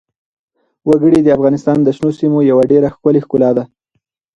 وګړي د افغانستان د شنو سیمو یوه ډېره ښکلې ښکلا ده.